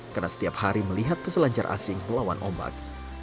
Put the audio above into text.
karena setiap hari melihat peselancar asing melawan ombak